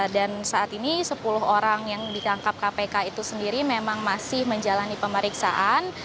dan saat ini sepuluh orang yang ditangkap kpk itu sendiri memang masih menjalani pemeriksaan